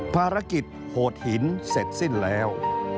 ภารกิจโหดหินเสร็จสิ้นแล้ว